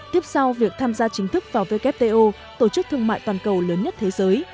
tiếp sau việc tham gia chính thức vào wto tổ chức thương mại toàn cầu lớn nhất thế giới